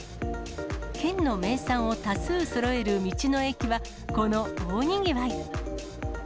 県の名産を多数そろえる道の駅は、この大にぎわい。